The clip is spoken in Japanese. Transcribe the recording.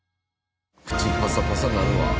口パサパサなるわ。